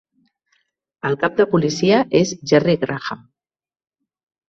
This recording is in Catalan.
El cap de policia és Jerry Graham.